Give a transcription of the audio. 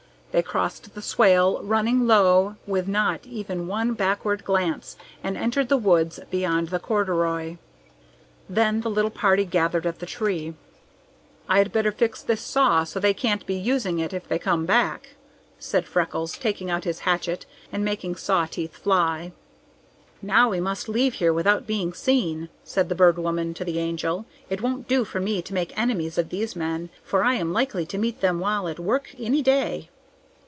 They crossed the swale, running low, with not even one backward glance, and entered the woods beyond the corduroy. Then the little party gathered at the tree. "I'd better fix this saw so they can't be using it if they come back," said Freckles, taking out his hatchet and making saw teeth fly. "Now we must leave here without being seen," said the Bird Woman to the Angel. "It won't do for me to make enemies of these men, for I am likely to meet them while at work any day."